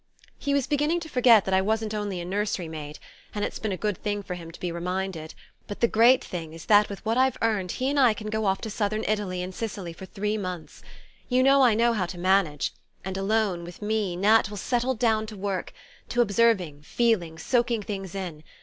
"He was beginning to forget that I wasn't only a nursery maid, and it's been a good thing for him to be reminded... but the great thing is that with what I've earned he and I can go off to southern Italy and Sicily for three months. You know I know how to manage... and, alone with me, Nat will settle down to work: to observing, feeling, soaking things in.